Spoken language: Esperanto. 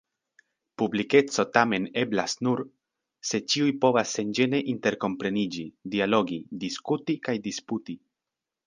Publikeco tamen eblas nur, se ĉiuj povas senĝene interkompreniĝi, dialogi, diskuti kaj disputi.